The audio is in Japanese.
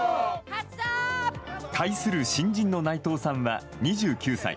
対する新人の内藤さんは２９歳。